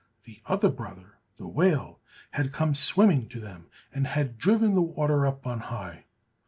The other brother, the whale, had come swimming to them, and had driven the water up on high.